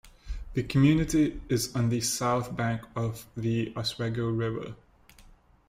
The community is on the south bank of the Oswego River.